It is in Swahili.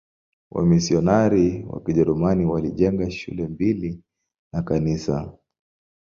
Wamisionari wa Kijerumani walijenga shule mbili na kanisa.